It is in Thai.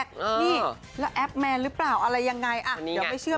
นี่แล้วแอปแมนหรือเปล่าอะไรยังไงอ่ะเดี๋ยวไม่เชื่อ